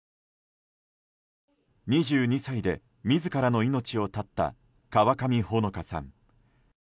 ２２歳で自らの命を絶った川上穂野香さん。